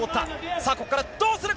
さあ、ここからどうするか？